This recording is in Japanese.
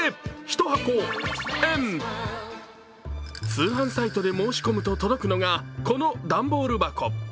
通販サイトで申し込むと届くのが、この段ボール箱。